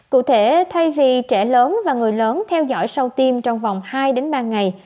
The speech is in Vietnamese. cụ thể thay vì trẻ lớn và người lớn theo dõi sau tiêm trong vòng hai ba ngày